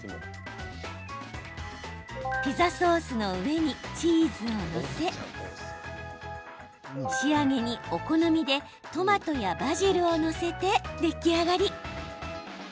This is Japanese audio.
ピザソースの上にチーズを載せ仕上げに、お好みでトマトやバジルを載せて出来上がり。